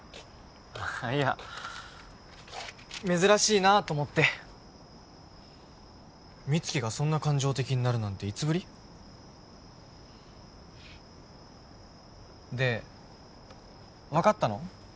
あっいや珍しいなと思って美月がそんな感情的になるなんていつぶり？で分かったの？